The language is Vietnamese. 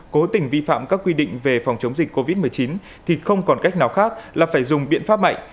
cố tình vi phạm các quy định về phòng chống dịch covid một mươi chín thì không còn cách nào khác là phải dùng biện pháp mạnh